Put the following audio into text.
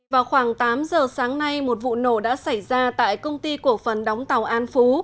vào khoảng tám giờ sáng nay một vụ nổ đã xảy ra tại công ty cổ phần đóng tàu an phú